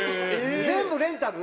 全部レンタル？